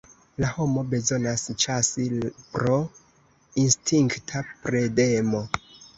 La homo bezonas ĉasi pro instinkta predemo.